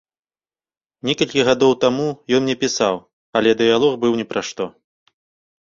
Некалькі гадоў таму ён мне пісаў, але дыялог быў ні пра што.